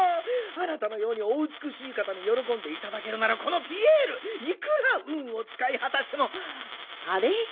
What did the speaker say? あなたのようにおうつくしいかたによろこんでいただけるならこのピエールいくらうんをつかいはたしてもあれ？